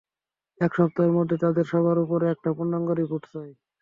এক সপ্তাহের মধ্যে তাদের সবার উপর একটা পূর্ণাঙ্গ রিপোর্ট চাই।